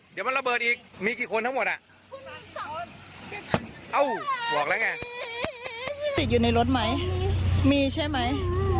เดี๋ยวมันระเบิดอีกมีกี่คนทั้งหมดอ่ะเอ้าบอกแล้วไงติดอยู่ในรถไหมมีใช่ไหม